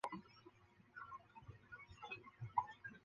楚军用楚国方言说了一会就退出去了。